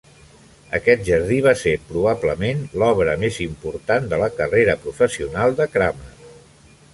Aquest jardí va ser probablement l'obra més important de la carrera professional de Cramer